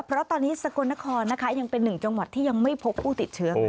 เพราะตอนนี้สกลนครนะคะยังเป็นหนึ่งจังหวัดที่ยังไม่พบผู้ติดเชื้อ